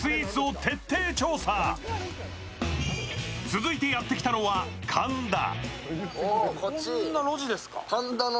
続いてやってきたのは神田。